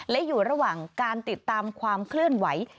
และอยู่ระหว่างการติดตามความเคลื่อนไหว